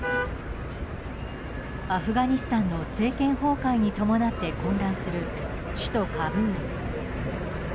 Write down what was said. アフガニスタンの政権崩壊に伴って混乱する首都カブール。